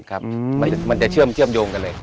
ครับมันจะเชื่อมโยงกันเลย